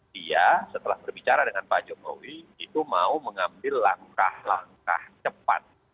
dia setelah berbicara dengan pak jokowi itu mau mengambil langkah langkah cepat